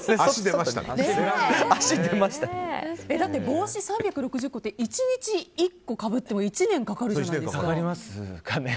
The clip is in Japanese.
帽子３６５個って１日１個かぶっても１年かかるじゃないですか。